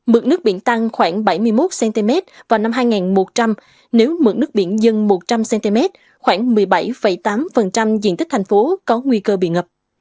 mực nước biển tăng khoảng bảy mươi một cm vào năm hai nghìn một trăm linh nếu mực nước biển dân một trăm linh cm khoảng một mươi bảy tám diện tích thành phố có nguy cơ bị ngập